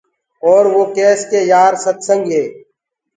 اور وو ڪيس ڪي يآر ستسنگ هي۔